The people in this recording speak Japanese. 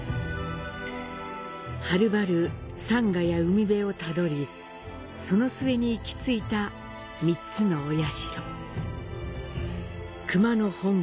はるばる山河や海辺をたどりその末に行き着いた３つのお社。